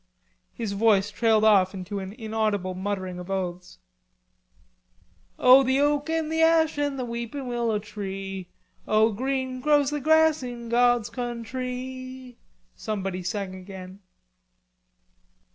his voice trailed off into an inaudible muttering of oaths. "O the oak and the ash and the weeping willow tree, O green grows the grass in God's countree!" somebody sang again.